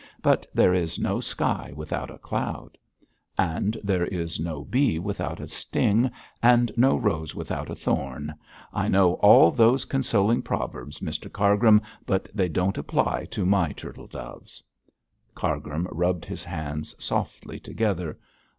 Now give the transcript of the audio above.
But there is no sky without a cloud.' 'And there is no bee without a sting, and no rose without a thorn. I know all those consoling proverbs, Mr Cargrim, but they don't apply to my turtle doves.' Cargrim rubbed his hands softly together.